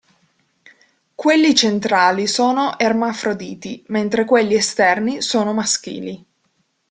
Quelli centrali sono ermafroditi, mentre quelli esterni sono maschili.